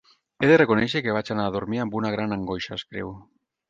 He de reconèixer que vaig anar a dormir amb una gran angoixa, escriu.